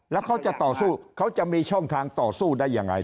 แล้วเขาจะต่อสู้เขาจะมีช่องทางต่อสู้ได้ยังไง